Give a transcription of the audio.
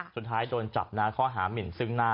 สุดท้ายโดนจับนะข้อหามินซึ่งหน้า